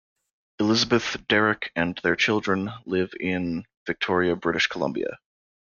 Elizabeth, Deryk and their children live in Victoria, British Columbia.